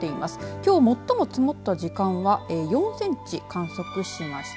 きょう最も積もった時間は４センチを観測しました。